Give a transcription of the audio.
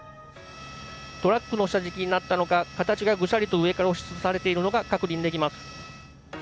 トラックの下敷きになったのか形が、ぐしゃりと上から押し潰されているのが確認できます。